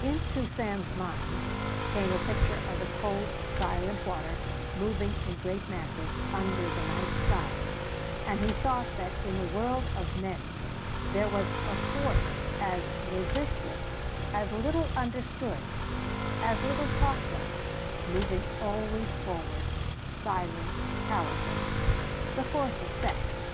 Into Sam's mind came a picture of the cold, silent water moving in great masses under the night sky and he thought that in the world of men there was a force as resistless, as little understood, as little talked of, moving always forward, silent, powerful the force of sex.